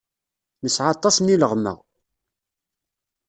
Nesɛa aṭas n yileɣma.